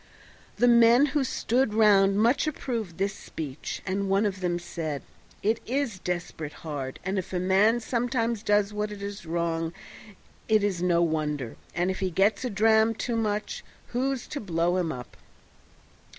The men who stood round much approved this speech, and one of them said, "It is desperate hard, and if a man sometimes does what is wrong it is no wonder, and if he gets a dram too much who's to blow him up?"